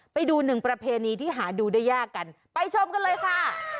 ไปดูหนึ่งประเพณีที่หาดูได้ยากกันไปชมกันเลยค่ะ